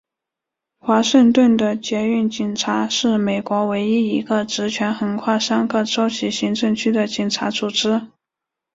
华盛顿的捷运警察是美国唯一一个职权横跨三个州级行政区的警察组织。